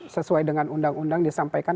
sesuai dengan undang undang disampaikan